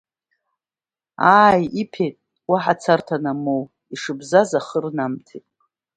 Ааи, иԥеит, уаҳа царҭа анамоу, ишыбзаз ахы рнамҭеит…